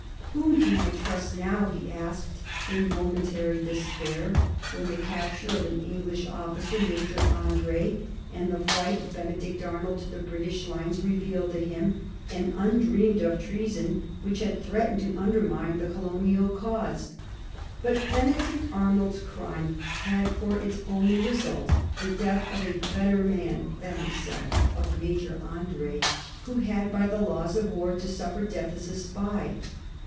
"Whom can I trust now?" he asked in momentary despair when the capture of an English officer. Major André, and the flight of Benedict Arnold to the British lines revealed to him an undreamed of treason which had threatened to undermine the colonial cause. But Benedict Arnold's crime had for its only result the death of a better man than himself, of Major André, who had by the laws of war to suffer death as a spy.